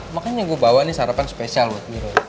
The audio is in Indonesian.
makanya gue bawa sarapan special buat lo